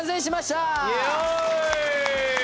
イエーイ！